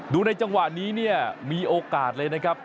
ในจังหวะนี้เนี่ยมีโอกาสเลยนะครับ